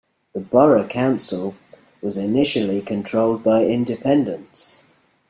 The borough council was initially controlled by independents.